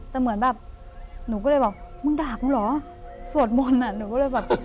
แต่เหมือนแบบหนูก็เลยบอกมึงด่ามึงเหรอสวดมนต์อ่ะหนูก็เลยแบบ